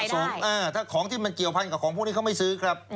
ถ้าของที่มันเกี่ยวพันกับของพวกนี้เขาไม่ซื้อครับ